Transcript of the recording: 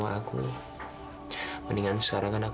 waduh pak terima kasih sekali pak